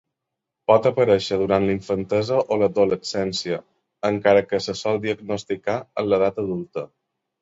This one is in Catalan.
Pot aparèixer durant la infantesa o l'adolescència encara que se sol diagnosticar en l'edat adulta.